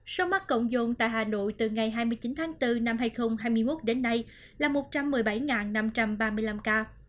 số mắc cộng dồn tại hà nội từ ngày hai mươi chín tháng bốn năm hai nghìn hai mươi một đến nay là một trăm một mươi bảy năm trăm ba mươi năm ca